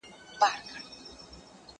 هغه څوک چي کتابتون ته راځي ارام اخلي!